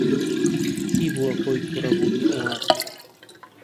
چی بووە ھۆی تووڕەبوونی ئەوان؟